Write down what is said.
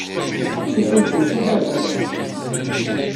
Aqcic-a yettemcabi ɣer baba-s.